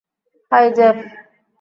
High, Jeff.